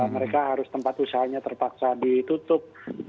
mereka harus tempat usahanya terpaksa ditutup